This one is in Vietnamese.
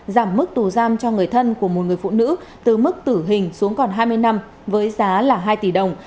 giảm mức tù giam cho người thân của một người phụ nữ từ mức tử hình xuống còn hai mươi năm với giá là hai tỷ đồng